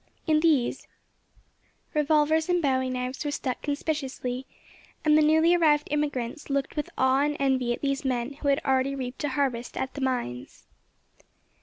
In these, revolvers and bowie knives were stuck conspicuously, and the newly arrived emigrants looked with awe and envy at these men who had already reaped a harvest at the mines.